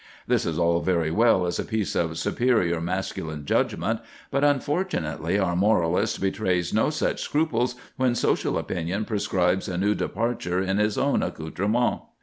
This is all very well as a piece of superior masculine judgment; but unfortunately our moralist betrays no such scruples when social opinion prescribes a new departure in his own accoutrement.